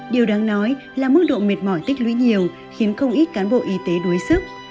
điều đáng nói là mức độ mệt mỏi tích lũy nhiều khiến không ít cán bộ y tế đuối sức